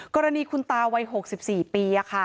กรณีคุณตาวัย๖๔ปี